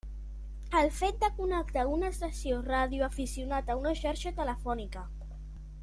El fet de connectar una estació de radioaficionat a una xarxa telefònica.